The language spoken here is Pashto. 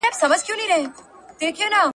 مرګ له خپله لاسه .